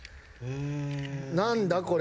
何だこれ？